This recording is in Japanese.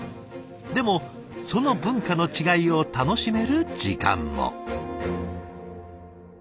でもその文化の違いを楽しめる時間も。